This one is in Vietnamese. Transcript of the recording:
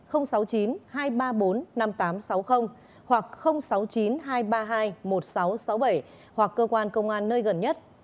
sáu mươi chín hai trăm ba mươi bốn năm nghìn tám trăm sáu mươi hoặc sáu mươi chín hai trăm ba mươi hai một nghìn sáu trăm sáu mươi bảy hoặc cơ quan công an nơi gần nhất